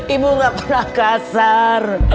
ibu gak pernah kasar